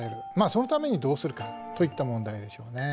そのためにどうするかといった問題でしょうね。